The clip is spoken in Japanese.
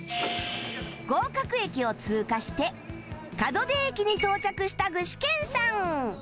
合格駅を通過して門出駅に到着した具志堅さん